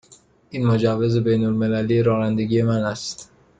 این مجوز بین المللی رانندگی من است.